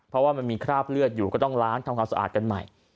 เพราะว่ามันมีคราบเลือดอยู่ก็ต้องล้างทำความสะอาดกันใหม่